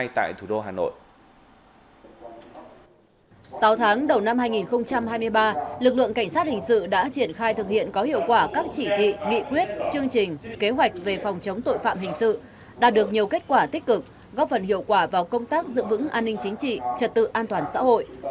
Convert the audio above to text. sáu tháng đầu năm hai nghìn hai mươi ba lực lượng cảnh sát hình sự đã triển khai thực hiện có hiệu quả các chỉ thị nghị quyết chương trình kế hoạch về phòng chống tội phạm hình sự đạt được nhiều kết quả tích cực góp phần hiệu quả vào công tác giữ vững an ninh chính trị trật tự an toàn xã hội